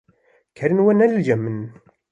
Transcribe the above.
kerên we ne li cem min in.